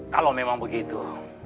kalau memang begitu